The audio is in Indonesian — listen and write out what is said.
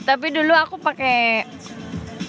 tapi dulu aku pakai